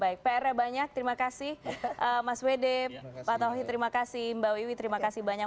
baik pr nya banyak terima kasih mas wede pak tauhid terima kasih mbak wiwi terima kasih banyak